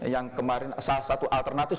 yang kemarin salah satu alternatif